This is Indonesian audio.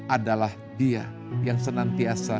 adalah dia yang senantiasa memberi terlebih dahulu